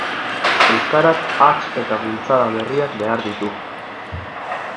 Euskarak hats eta bultzada berriak behar ditu.